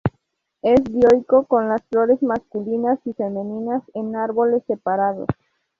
Es dioico, con las flores masculinas y femeninas en árboles separados.